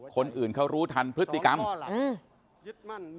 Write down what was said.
คนอื่นเขารู้ทันพฤติกรรม